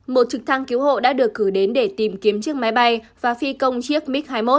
một trực thăng cứu hộ đã được gửi đến để tìm kiếm chiếc máy bay và phi công chiếc mig hai mươi một